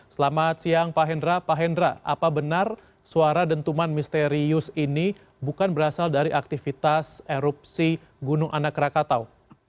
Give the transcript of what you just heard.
selamat siang pak hendra pak hendra apa benar suara dentuman misterius ini bukan berasal dari aktivitas erupsi gunung anak rakatau